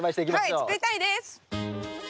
はい作りたいです！